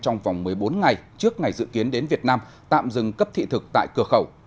trong vòng một mươi bốn ngày trước ngày dự kiến đến việt nam tạm dừng cấp thị thực tại cửa khẩu